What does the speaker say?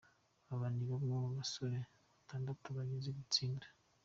Aba ni bamwe mu basore batandatu bagize iri tsinda.